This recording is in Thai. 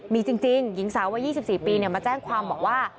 มีจริงหญิงสาววัย๒๔ปีมาแจ้งความบอกว่า